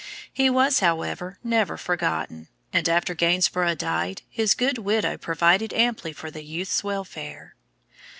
He was, however, never forgotten; and after Gainsborough died, his good widow provided amply for the youth's welfare.